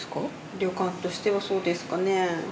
旅館としてはそうですかね。